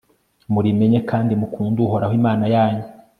murimenye kandi mukunde uhoraho, imana yanyu